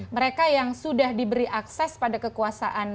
mereka yang sudah diberi akses pada kekuasaan